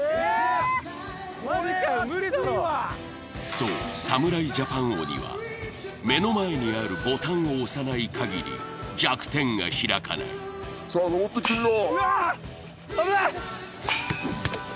そう侍ジャパン鬼は目の前にあるボタンを押さないかぎり弱点が開かないさあのぼってきてみろうわあっ！